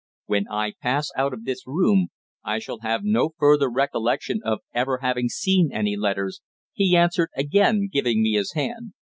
"When I pass out of this room I shall have no further recollection of ever having seen any letters," he answered, again giving me his hand.